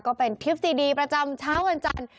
ก็เป็นทริปซีดีประจำเช้าวันจันทร์